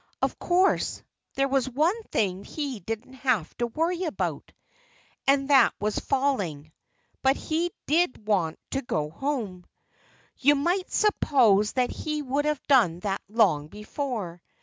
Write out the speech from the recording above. Of course, there was one thing he didn't have to worry about and that was falling. But he did want to go home. You might suppose that he would have done that long before.